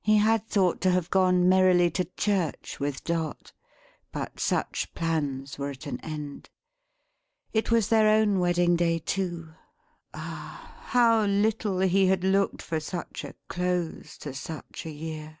He had thought to have gone merrily to church with Dot. But such plans were at an end. It was their own wedding day too. Ah! how little he had looked for such a close to such a year!